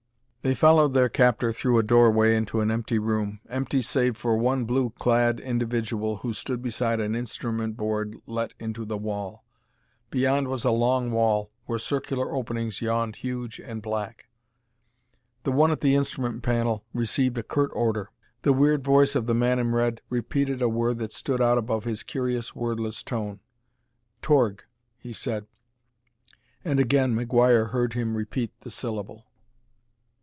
They followed their captor through a doorway into an empty room empty save for one blue clad individual who stood beside an instrument board let into the wall. Beyond was a long wall, where circular openings yawned huge and black. The one at the instrument panel received a curt order: the weird voice of the man in red repeated a word that stood out above his curious, wordless tone. "Torg," he said, and again McGuire heard him repeat the syllable.